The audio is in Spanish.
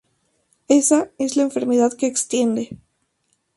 Ésa es la enfermedad que extiende.